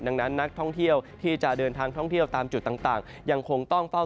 ดังนั้นนักท่องเที่ยวที่จะเดินทางท่องเที่ยวตามจุดต่างยังคงต้องเฝ้า